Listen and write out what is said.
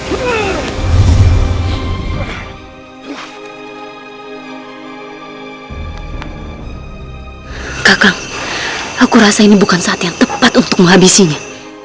hai kakak aku rasa ini bukan saat yang tepat untuk menghabisinya